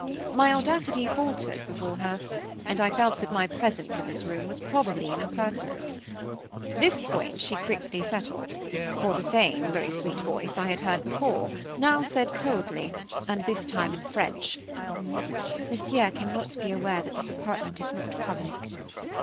My audacity faltered before her; and I felt that my presence in this room was probably an impertinence. This point she quickly settled, for the same very sweet voice I had heard before, now said coldly, and this time in French, "Monsieur cannot be aware that this apartment is not public."